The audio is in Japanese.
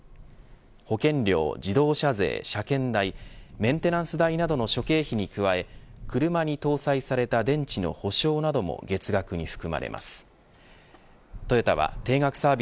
保険料、自動車税、車検代メンテナンス代などの諸経費に加え車に搭載された電池の保証なども月額に含